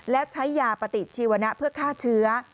และใช้ยาปฏิชีวนะเพื่อฆ่าเชื้อ